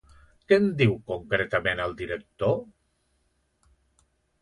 Què en diu concretament el director?